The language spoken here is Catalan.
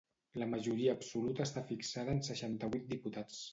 La majoria absoluta està fixada en seixanta-vuit diputats.